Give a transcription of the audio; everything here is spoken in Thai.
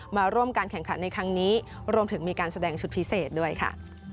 มาร่วมการแข่งขันในครั้งนี้รวมถึงมีการแสดงชุดพิเศษด้วยค่ะ